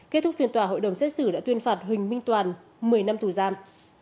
kết thúc phiên tòa hội đồng xét xử đã tuyên phạt huỳnh minh toàn một mươi năm tù giam